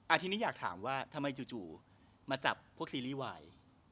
ทีนี้อยากถามว่าทำไมจู่มาจับพวกซีรีส์วาย